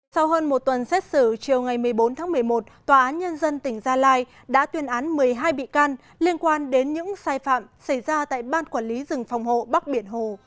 sau hơn một tuần xét xử chiều ngày một mươi bốn tháng một mươi một tòa án nhân dân tỉnh gia lai đã tuyên án một mươi hai bị can liên quan đến những sai phạm xảy ra tại ban quản lý rừng phòng hộ bắc biển hồ